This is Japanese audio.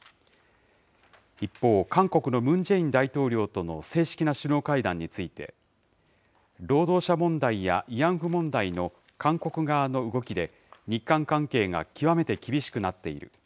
一方、韓国のムン・ジェイン大統領との正式な首脳会談について、労働者問題や慰安婦問題の韓国側の動きで、日韓関係が極めて厳しくなっている。